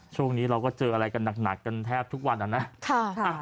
ช่วงนี้เราก็เจออะไรกันหนักกันแทบทุกวันนะ